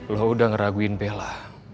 lo udah ngeraguin bella